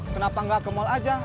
kenapa nggak ke mal aja